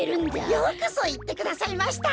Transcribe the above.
よくぞいってくださいました。